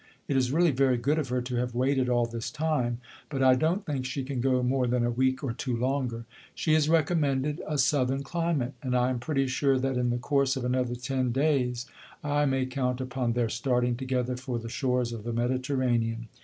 It is really very good of her to have waited all this time; but I don't think she can go more than a week or two longer. She is recommended a southern climate, and I am pretty sure that in the course of another ten days I may count upon their starting together for the shores of the Mediterranean.